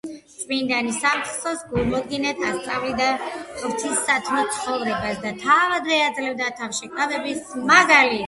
წმინდანი სამწყსოს გულმოდგინედ ასწავლიდა ღვთივსათნო ცხოვრებას და თავადვე აძლევდა თავშეკავების მაგალითს.